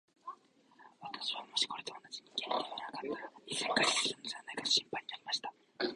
私はもしこれで同じ人間に出会わなかったら、いずれ餓死するのではないかと心配になりました。